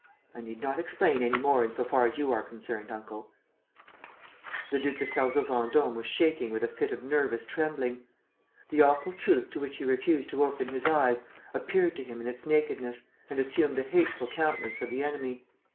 I need not explain any more in so far as you are concerned, uncle." The Duc de Sarzeau Vendôme was shaken with a fit of nervous trembling. The awful truth to which he refused to open his eyes appeared to him in its nakedness and assumed the hateful countenance of the enemy.